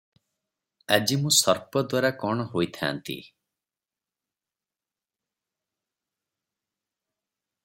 ଆଜି ମୁଁ ସର୍ପଦ୍ୱାରା କଣ ହୋଇଥାନ୍ତି ।